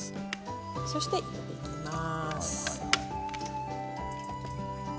そして入れていきます。